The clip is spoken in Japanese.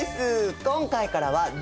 今回からは「住」